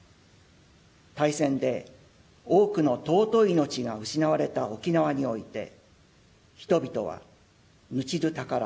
大戦で多くの尊い命が失われた沖縄において人々は「命どぅ宝」